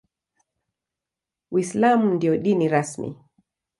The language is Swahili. Uislamu ndio dini rasmi.